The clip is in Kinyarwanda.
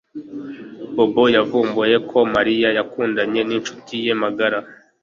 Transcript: Bobo yavumbuye ko Mariya yakundanye nincuti ye magara